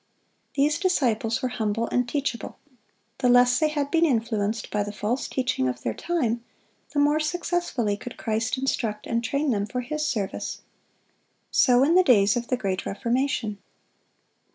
(241) These disciples were humble and teachable. The less they had been influenced by the false teaching of their time, the more successfully could Christ instruct and train them for His service. So in the days of the Great Reformation.